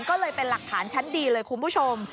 ก็เลยเป็นหลักฐานชั้นดีเลยคุณผู้ชม